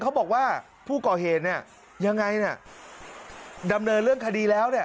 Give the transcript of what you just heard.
เขาบอกว่าผู้ก่อเหตุยังไงดำเนินเรื่องคดีแล้ว